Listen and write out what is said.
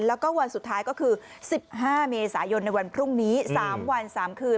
แล้วก็วันสุดท้ายก็คือ๑๕เมษายนในวันพรุ่งนี้๓วัน๓คืน